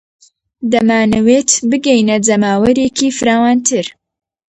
دەمانەوێت بگەینە جەماوەرێکی فراوانتر.